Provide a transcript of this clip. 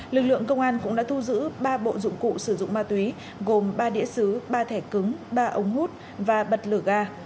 lực lượng công an cũng đã thu giữ ba bộ dụng cụ sử dụng ma túy gồm ba đĩa xứ ba thẻ cứng ba ống hút và bật lửa ga